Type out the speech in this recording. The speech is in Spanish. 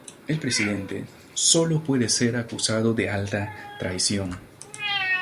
El Presidente sólo puede ser acusado de alta traición.